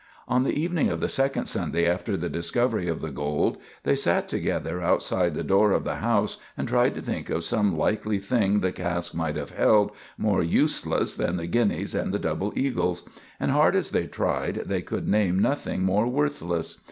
On the evening of the second Sunday after the discovery of the gold, they sat together outside the door of the house, and tried to think of some likely thing the cask might have held more useless than the guineas and double eagles; and, hard as they tried, they could name nothing more worthless.